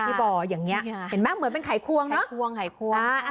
พี่บ่อยังเงี้ยเห็นไหมเหมือนเป็นไขควงเนอะไขควงไขควงอ่า